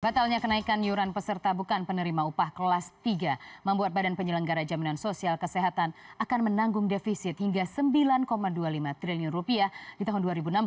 batalnya kenaikan yuran peserta bukan penerima upah kelas tiga membuat badan penyelenggara jaminan sosial kesehatan akan menanggung defisit hingga sembilan dua puluh lima triliun rupiah di tahun dua ribu enam belas